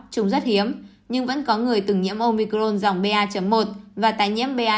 chúng rất hiếm nhưng vẫn có người từng nhiễm omicron dòng ba một và tái nhiễm ba hai